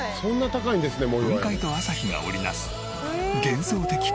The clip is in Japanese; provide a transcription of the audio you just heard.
雲海と朝日が織り成す幻想的コラボ。